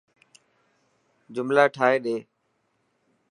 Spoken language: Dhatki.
جملا ٺاهي ڏي.